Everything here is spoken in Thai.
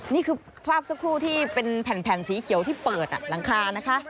นี่คือภาพสักครู่ที่เป็นแผ่นสีเขียวที่เปิดหลังคานะคะ